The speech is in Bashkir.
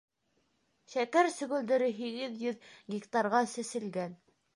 Шәкәр сөгөлдөрө һигеҙ йөҙ гектарға сәселгән.